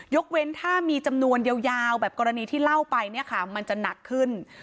ยกเว้นถ้ามีจำนวนยาวแบบกรณีที่เล่าไปมันจะหนักขึ้น